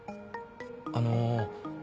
あの。